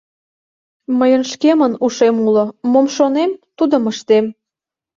— Мыйын шкемын ушем уло, мом шонем, тудым ыштем...